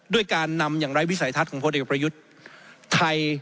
ด้วยการนำอย่างไร้วิสัยทัศน์ของพวกเดียวกับประยุทธ์